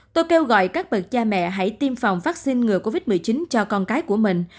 tôi kêu gọi các bậc cha mẹ hãy tiêm phòng vaccine ngừa covid một mươi chín cho con cái của mình